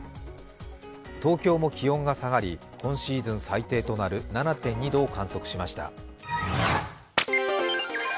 東京も気温が下がり、今シーズン最低となる７．２度を観測しました。